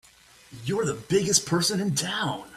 You're the biggest person in town!